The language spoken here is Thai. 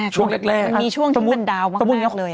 ช่วงแรกมีช่วงที่เป็นดาวมากเลย